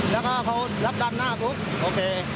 แล้วก็เขารับดันหน้าปุ๊บโอเค